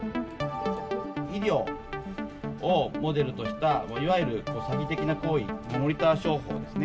医療をモデルとした、いわゆる詐欺的な行為、モニター商法ですね。